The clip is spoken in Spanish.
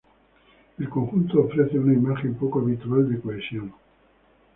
El conjunto ofrece una imagen poco habitual de cohesión.